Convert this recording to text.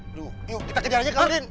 aduh yuk kita kejar aja kang udin